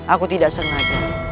aku tidak sengaja